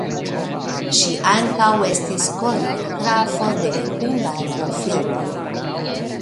Ŝi ankaŭ estis koreografo de hungaraj filmoj.